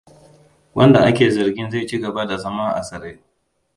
Wanda ake zargin zai ci gaba da zama a tsare.